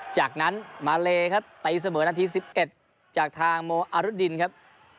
จากนั้นมาเลครับตีเสมอนาที๑๑จากทางโมอารุดินครับ